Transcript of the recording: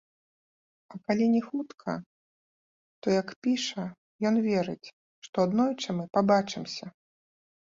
А калі не хутка, то, як піша, ён верыць, што аднойчы мы пабачымся.